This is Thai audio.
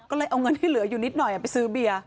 ก็เลยเอาเงินที่เหลืออยู่นิดหน่อยไปซื้อเบียร์